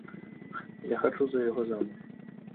Я хачу за яго замуж.